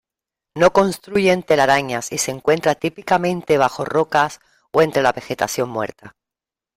No construyen telarañas y se encuentran típicamente bajo rocas o entre la vegetación muerta.